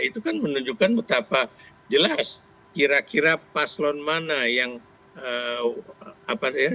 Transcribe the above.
itu kan menunjukkan betapa jelas kira kira paslon mana yang apa